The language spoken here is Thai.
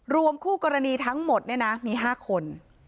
รวมคู่กรณีทั้งหมดเนี้ยน่ะมีห้าคน